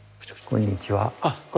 こんにちは。